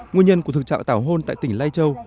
nguyên nhân của thực trạng tảo hôn tại tỉnh lai châu